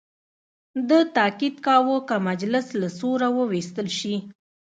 ده تاکید کاوه که مجلس له سوره وویستل شي.